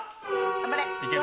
頑張れ！